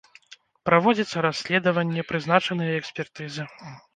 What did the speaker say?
Праводзіцца расследаванне, прызначаныя экспертызы.